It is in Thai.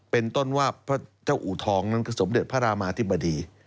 เป็นต้นว่าพระเจ้าอูทองนั่นคือสมเด็จพระรามาธิบดี